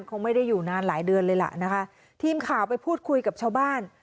คงไม่ได้อยู่นานหลายเดือนเลยล่ะนะคะทีมข่าวไปพูดคุยกับชาวบ้าน